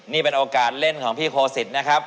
นี่เป็นโอกาสเล่นของพี่โคสิตนะครับ